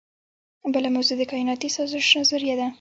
بله موضوع د کائناتي سازش نظریه ده.